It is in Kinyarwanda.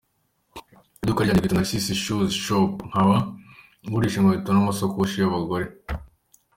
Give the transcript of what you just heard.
A: Iduka ryanjye ryitwa Narcisse shoes shop nkaba ngurisha Inkweto n’amasakoshi y’abagore.